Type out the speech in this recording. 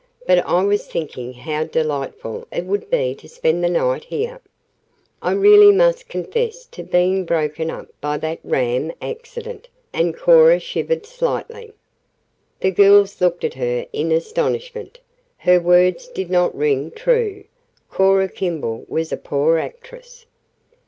But I was thinking how delightful it would be to spend the night here. I really must confess to being broken up by that ram accident," and Cora shivered slightly. The girls looked at her in astonishment. Her words did not ring true; Cora Kimball was a poor actress.